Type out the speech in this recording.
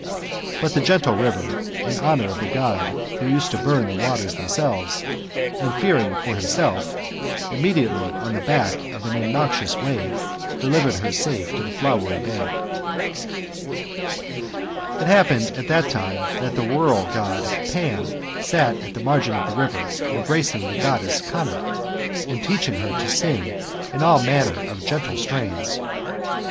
But the gentle river, in honour of the God, who used to burn the waters themselves, and fearing for himself, immediately, on the back of an innoxious wave, delivered her safe to the flowery banlc It happened at that time, that the rural God Pan sat on the margin of the river, embracing the Goddess Canna*, and teaching her to sing in all manner of gentle strains.